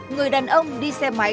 người đàn ông đi xe máy